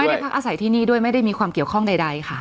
ได้พักอาศัยที่นี่ด้วยไม่ได้มีความเกี่ยวข้องใดค่ะ